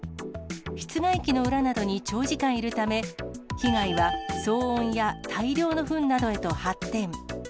室外機の裏などに長時間いるため、被害は騒音や大量のふんなどへと発展。